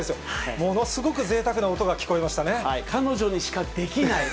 ものすごくぜいたくな音が聞こえ彼女にしかできない。